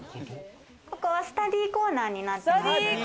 ここはスタディコーナーになってます。